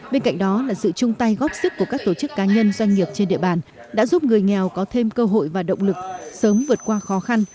bên cạnh đó là sự chung tay góp sức của các tổ chức cá nhân doanh nghiệp trên địa bàn đã giúp người nghèo có thêm cơ hội và động lực sớm vượt qua khó khăn